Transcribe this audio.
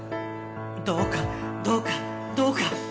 「どうかどうかどうか！」